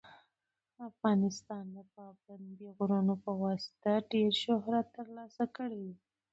افغانستان د پابندي غرونو په واسطه ډېر شهرت ترلاسه کړی دی.